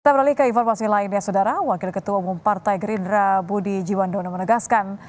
kita beralih ke informasi lainnya saudara wakil ketua umum partai gerindra budi jiwandono menegaskan